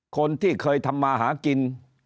คนที่เคยทำมาหากิน